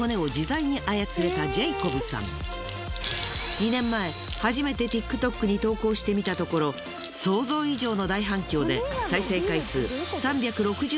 ２年前初めてＴｉｋＴｏｋに投稿してみたところ想像以上の大反響で。